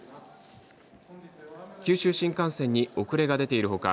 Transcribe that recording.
九州新幹線に遅れが出ているほか